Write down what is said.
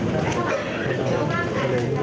ไม่เท่าไหร่มีเวลาบ้างกัน